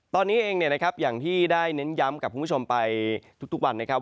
ตอนนี้เองอย่างที่ได้เน้นย้ำกับคุณผู้ชมไปทุกวันนะครับ